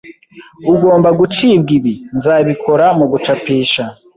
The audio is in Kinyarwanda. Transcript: ugomba gucibwa ibi nzabikora mugucapisha